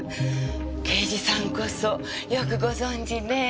刑事さんこそよくご存じねぇ。